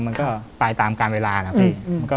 มันก็ไปตามการเวลานะพี่